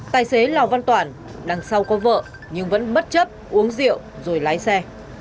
tài xế lào văn toản đằng sau có vợ nhưng vẫn bất chấp uống rượu rồi lái xe